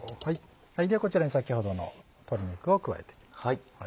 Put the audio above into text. ではこちらに先ほどの鶏肉を加えていきます。